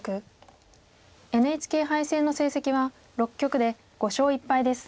ＮＨＫ杯戦の成績は６局で５勝１敗です。